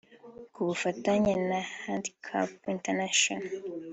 Ku bufatanye na Handicap International